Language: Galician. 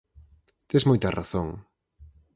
Tes moita razón.